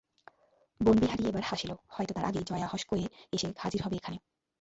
বনবিহারী এবার হাসিল, হয়তো তার আগেই জয়া হশ কওে এসে হাজির হবে এখানে।